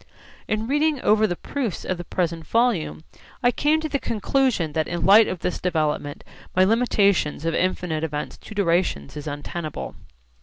In reading over the proofs of the present volume, I come to the conclusion that in the light of this development my limitation of infinite events to durations is untenable.